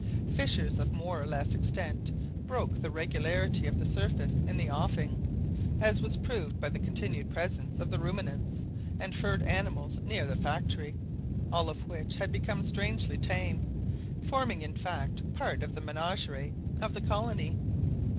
Fissures of more or less extent broke the regularity of the surface in the offing, as was proved by the continued presence of the ruminants and furred animals near the factory, all of which had become strangely tame, forming in fact part of the menagerie of the colony.